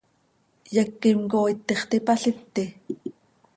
¿Yequim cooit tiix tipaliti?